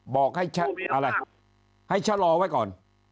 บอกให้ชะลอไว้ก่อน